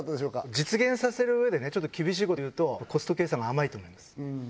実現させるうえでねちょっと厳しいこと言うとコスト計算が甘いと思います。